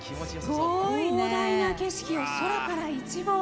広大な景色を空から一望。